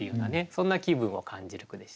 そんな気分を感じる句でしたね。